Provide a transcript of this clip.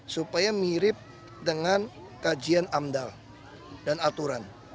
supaya mirip dengan kajian amdal dan aturan